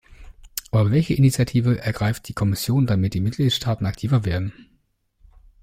Aber welche Initiative ergreift die Kommission, damit die Mitgliedstaaten aktiver werden?